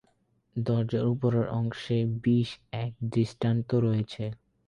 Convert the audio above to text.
দরজার উপরের অংশে বিশ এক দৃষ্টান্ত রয়েছে।